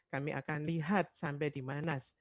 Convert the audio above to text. kami akan lihat sampai di mana